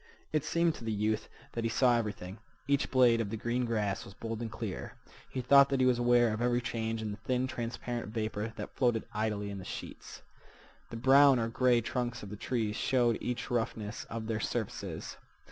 It seemed to the youth that he saw everything. Each blade of the green grass was bold and clear. He thought that he was aware of every change in the thin, transparent vapor that floated idly in sheets. The brown or gray trunks of the trees showed each roughness of their surfaces.